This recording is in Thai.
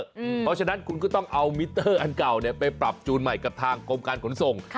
เพราะฉะนั้นคุณก็ต้องเอามิเตอร์อันเก่าไปปรับจูนใหม่กับทางกรมการขนส่ง